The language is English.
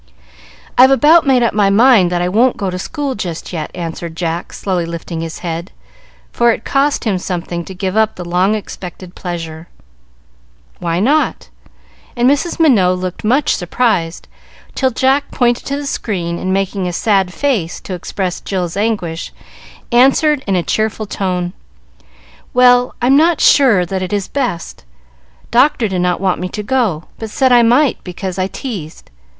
"I've about made up my mind that I won't go to school just yet," answered Jack, slowly lifting his head, for it cost him something to give up the long expected pleasure. "Why not?" and Mrs. Minot looked much surprised, till Jack pointed to the screen, and, making a sad face to express Jill's anguish, answered in a cheerful tone, "Well, I'm not sure that it is best. Doctor did not want me to go, but said I might because I teased.